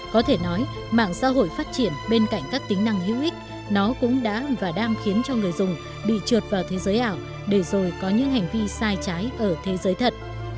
có thể nói mạng xã hội phát triển bên cạnh các tính năng hữu ích nó cũng đã và đang khiến cho người dùng bị trượt vào thế giới ảo để rồi có những hành vi sai trái ở thế giới thật